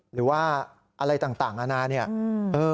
หรือว่าอะไรต่างอาณาเนี่ย